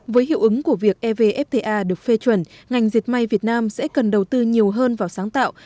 với hiệu ứng của việc evfta được phê chuẩn ngành diệt may việt nam sẽ cần đầu tư nhiều hơn vào sáng tạo